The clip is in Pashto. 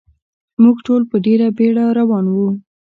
موږ ټول په ډېره بېړه روان و.